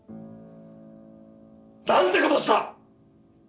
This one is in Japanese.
何てことをした！